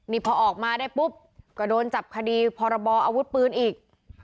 นี่พอออกมาได้ปุ๊บก็โดนจับคดีพรบออาวุธปืนอีก